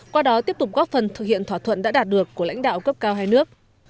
qua đó tiếp tục góp phần thực hiện thỏa thuận đã đạt được của lãnh đạo cấp cao hai nước